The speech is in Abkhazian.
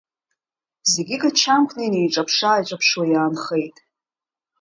Зегьы гачамкны инеиҿаԥшы-ааиҿаԥшуа иаанхеит.